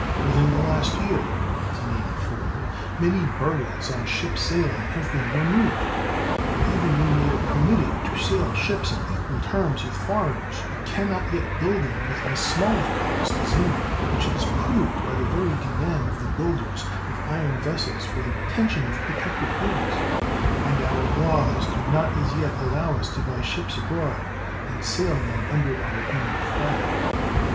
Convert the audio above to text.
Within the last year (1884) many burdens on ship sailing have been removed; but even when we are permitted to sail ships on equal terms with foreigners, we can not yet build them with as small a cost as England (which is proved by the very demand of the builders of iron vessels for the retention of protective duties), and our laws do not as yet allow us to buy ships abroad and sail them under our own flag.